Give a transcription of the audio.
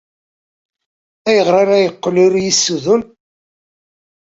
Ayɣer ay yeqqel ur iyi-yessudun?